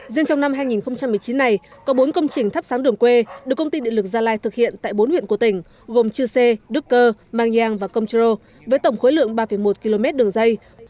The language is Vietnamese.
riêng trong năm hai nghìn một mươi chín này có bốn công trình thắp sáng đường quê được công ty điện lực gia lai thực hiện tại bốn huyện của tỉnh gồm chư sê đức cơ mang giang và công trô với tổng khối lượng ba một km đường dây